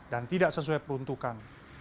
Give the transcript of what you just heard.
dan tidak sesuai peruntukan